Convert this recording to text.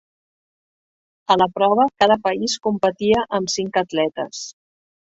A la prova cada país competia amb cinc atletes.